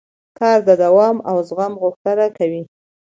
کار د دوام او زغم غوښتنه کوي